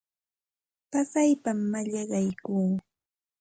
Pasaypam mallaqaykuu.